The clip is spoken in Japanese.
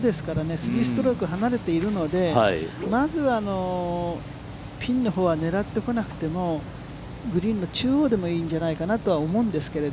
３ストローク離れているので、まず、ピンのほうは狙ってこなくても、グリーンの中央でもいいんじゃないかなとは思うんですけれど。